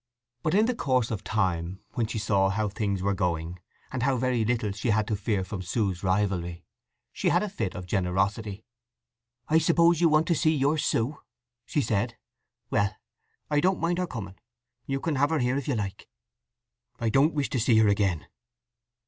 But in the course of time, when she saw how things were going, and how very little she had to fear from Sue's rivalry, she had a fit of generosity. "I suppose you want to see your—Sue?" she said. "Well, I don't mind her coming. You can have her here if you like." "I don't wish to see her again."